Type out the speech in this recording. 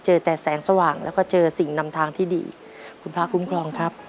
เจอแต่แสงสว่างแล้วก็เจอสิ่งนำทางที่ดีคุณพระคุ้มครองครับ